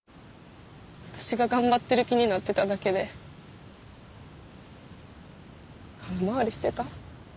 私が頑張ってる気になってただけで空回りしてた。